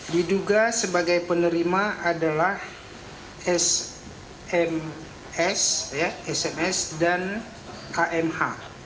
diduga sebagai penerima adalah sms sms dan amh